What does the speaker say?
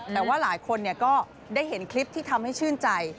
แต่ว่าหลายคนก็ได้เห็นคลิปที่ทำให้ชื่นใจ